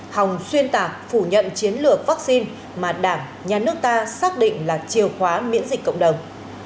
hòng xuyên tạc phủ nhận chiến lược vaccine mà đảng nhà nước ta xác định là chiều khóa miễn dịch cộng đồng